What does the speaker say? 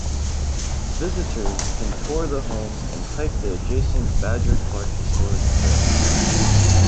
Visitors can tour the home and hike the adjacent Badger Clark Historic Trail.